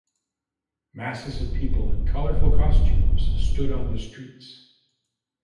Masses of people in colorful costumes stood on the streets.